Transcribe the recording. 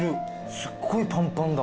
すごいパンパンだ。